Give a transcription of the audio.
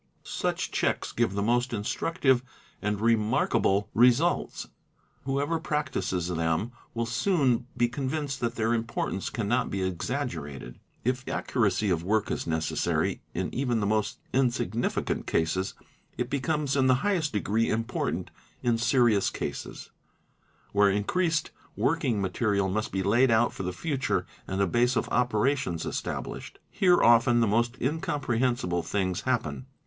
~ Such checks"&!" give the most instructive and remarkable results ; who ever practises them will soon be convinced that their importance cannot be exaggerated. ( If accuracy of work is necessary in even the most insignificant cases, it becomes in the highést degree important in serious cases where increased working material must be laid out for the future and a base of operations established. Here often the most incomprehensible things happen.